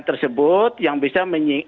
tersebut yang bisa